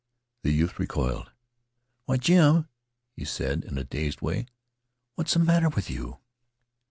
The youth recoiled. "Why, Jim," he said, in a dazed way, "what's the matter with you?"